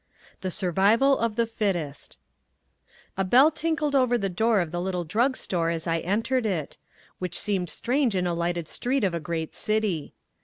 XV. The Survival of the Fittest A bell tinkled over the door of the little drug store as I entered it; which seemed strange in a lighted street of a great city.